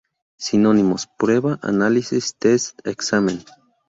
Sinónimos: "prueba, análisis, test, examen.